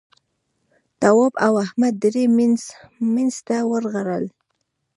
تواب او احمد درې مينځ ته ورغلل.